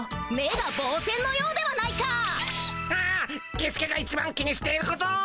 キスケがいちばん気にしていることを。